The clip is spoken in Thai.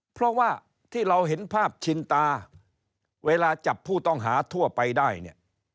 เพราะว่าที่เราเห็นภาพชินตาเวลาจับผู้ต้องหาทั่วไปได้เนี่ย